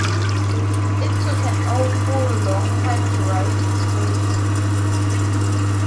It took an awful long time to write the script.